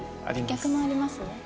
逆もあります。